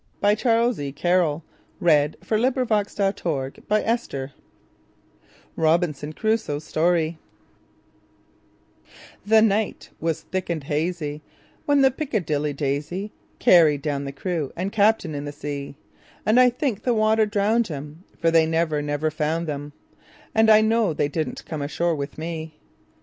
1919. Charles E. Carryl1841–1920 Robinson Crusoe's Story THE NIGHT was thick and hazyWhen the "Piccadilly Daisy"Carried down the crew and captain in the sea; And I think the water drowned 'em; For they never, never found 'em, And I know they didn't come ashore with me.